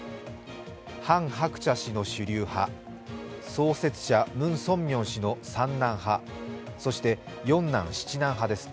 ハン・ハクチャ氏の主流派創設者ムン・ソンミョン氏の三男派そして四男・七男派です。